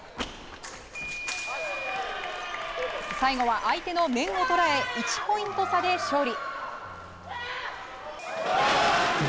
最後は相手の面を捉え１ポイント差で勝利。